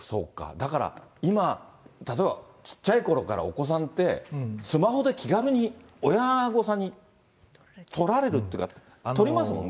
だから今、例えばちっちゃいころからお子さんって、スマホで気軽に親御さんに撮られるっていうか、撮りますもんね。